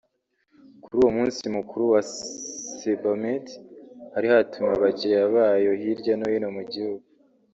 Kuri uwo munsi mukuru wa Sebamed hari hatumiwe abakiriya bayo hirya no hino mu gihugu